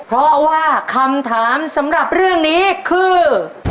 เพราะว่าคำถามสำหรับเรื่องนี้คือ